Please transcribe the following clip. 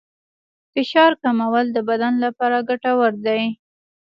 فشار کمول د بدن لپاره ګټور دي.